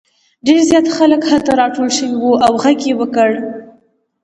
ډېر زیات خلک هلته راټول شوي وو او غږ یې وکړ.